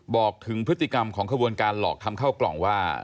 บอกถึงพฤติกรรมของขบวนการหลอกทำข้าวกล่องว่า